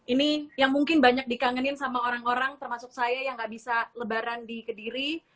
ini yang mungkin banyak dikangenin sama orang orang termasuk saya yang gak bisa lebaran di kediri